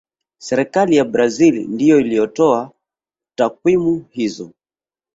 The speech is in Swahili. serikali ya brazil ndiyo iliyotoa takwimu hizo